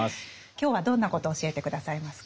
今日はどんなことを教えて下さいますか？